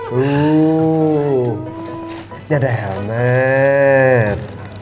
tuh ada helmet